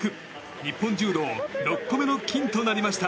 日本柔道６個目の金となりました。